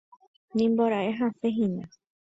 nimbora'e hasẽhína